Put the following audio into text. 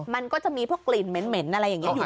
มันก็จะมีพวกกลิ่นเหม็นอะไรอย่างนี้อยู่